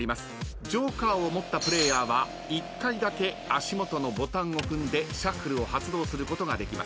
ジョーカーを持ったプレイヤーは１回だけ足元のボタンを踏んでシャッフルを発動することができます。